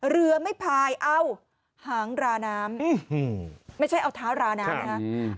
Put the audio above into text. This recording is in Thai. เรือไม่พายเอ้าหางราน้ำไม่ใช่เอาเท้าราน้ำนะฮะ